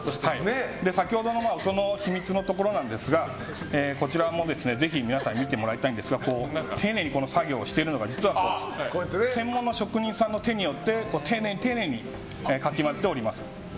先ほどの音の秘密なんですがぜひ皆さんに見てもらいたいんですが丁寧に作業しているのが実は専門の職人さんの手によって丁寧に、かき混ぜております。